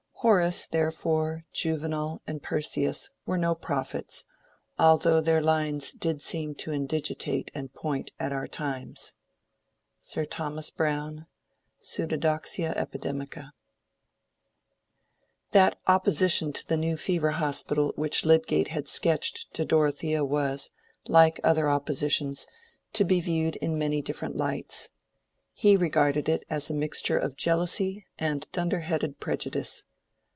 Horace, therefore, Juvenal, and Persius, were no prophets, although their lines did seem to indigitate and point at our times.—SIR THOMAS BROWNE: Pseudodoxia Epidemica. That opposition to the New Fever Hospital which Lydgate had sketched to Dorothea was, like other oppositions, to be viewed in many different lights. He regarded it as a mixture of jealousy and dunderheaded prejudice.